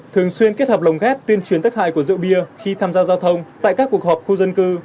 thường xuyên kết hợp lồng ghép tuyên truyền tắc hại của rượu bia khi tham gia giao thông tại các cuộc họp khu dân cư